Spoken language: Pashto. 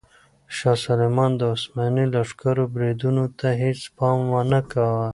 شاه سلیمان د عثماني لښکرو بریدونو ته هیڅ پام نه کاوه.